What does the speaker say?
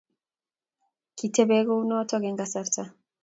Kitebe kounoto eng kasarta